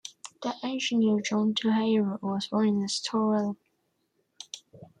The engineer John Tojeiro was born in Estoril.